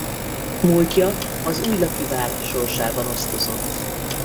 Múltja az újlaki vár sorsában osztozott.